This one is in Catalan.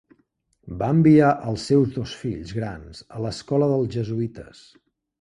Van enviar als seus dos fills grans a l'escola dels jesuïtes.